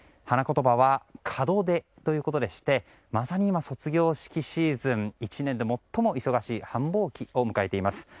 花言葉は門出ということでしてまさに今、卒業式シーズン１年で最も忙しい繁忙期を迎えています。